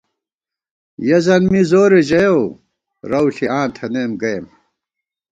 یَہ زَن می زورے ژَیَؤ، رَوݪی آں تھنَئیم گَئیم